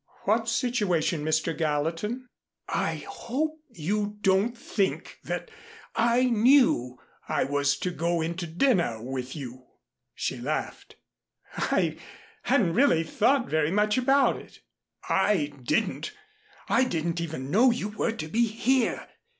"What situation, Mr. Gallatin?" "I hope you don't think that I knew I was to go in to dinner with you." She laughed. "I hadn't really thought very much about it." "I didn't I didn't even know you were to be here.